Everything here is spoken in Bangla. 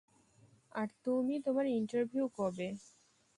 আর তুমি, তোমার ইন্টারভিউ কবে?